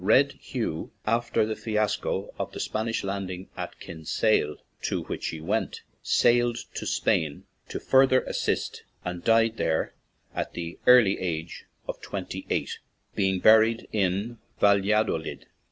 Red Hugh, after the fiasco of the Spanish landing at Kin sale, to which he went, sailed to Spain for further assistance and died there at the early age of twenty eight, being buried in Valladolid.